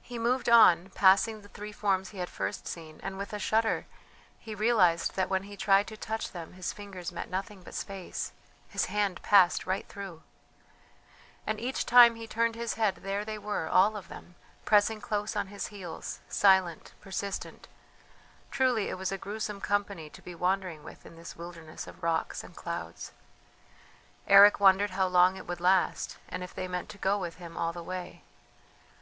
He moved on, passing the three forms he had first seen, and with a shudder he realized that when he tried to touch them his fingers met nothing but space his hand passed right through! And each time he turned his head there they were, all of them, pressing close on his heels, silent, persistent. Truly it was a gruesome company to be wandering with in this wilderness of rocks and clouds. Eric wondered how long it would last, and if they meant to go with him all the way.